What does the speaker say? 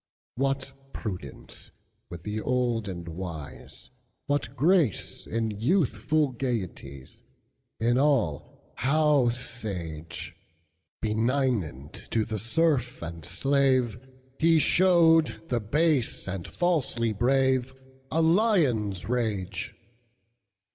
What prudence with the old and wise:What grace in youthful gayeties; In all how sage! Benignant to the serf and slave, He showed the base and falsely braveA lion's rage.